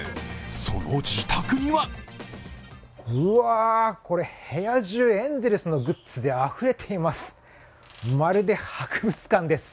その自宅にはこれ、部屋中、エンゼルスのグッズであふれています。